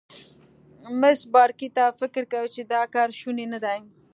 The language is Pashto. مس بارکلي: ته فکر کوې چې دا کار شونی نه دی؟